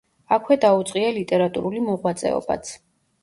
აქვე დაუწყია ლიტერატურული მოღვაწეობაც.